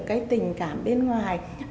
cái tình cảm bên ngoài